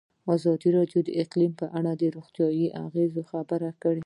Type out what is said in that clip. ازادي راډیو د اقلیتونه په اړه د روغتیایي اغېزو خبره کړې.